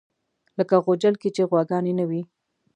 لکه غوجل کې چې غواګانې نه وي.